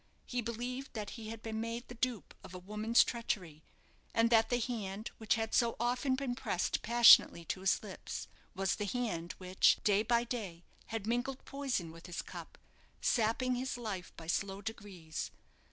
He believed that he had been made the dupe of a woman's treachery; and that the hand which had so often been pressed passionately to his lips, was the hand which, day by day, had mingled poison with his cup, sapping his life by slow degrees.